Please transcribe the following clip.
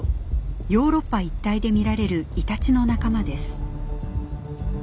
ヨーロッパ一帯で見られるイタチの仲間です。